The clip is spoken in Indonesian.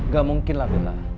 gak mungkin lah bella